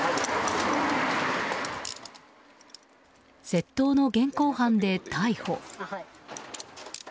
窃盗の現行犯で逮捕。